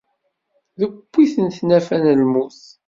Tewwi-ten tnafa n lmut.